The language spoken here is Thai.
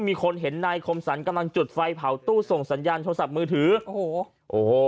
มีคนเห็นนายคมสรรกำลังจุดไฟเผาตู้ส่งสัญญาณโทรศัพท์มือถือโอ้โหโอ้โห